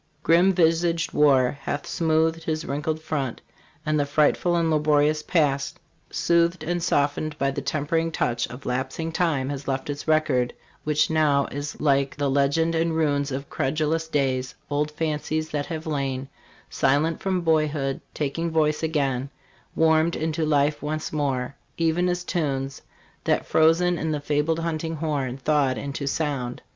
" Grim visaged war hath smoothed his wrinkled front," and the frightful and laborious past, soothed and softened by the tempering touch of lapsing time, has left its record, which now is like the MODERN STARVED ROCK. 6j Legends and runes Of credulous days ; old fancies that have lain Silent from boyhood, taking voice again, Warmed into life once more, even as tunes That, frozen in the fabled hunting horn, Thawed into sound.